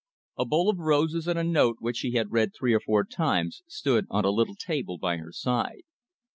A bowl of roses and a note which she had read three or four times stood on a little table by her side.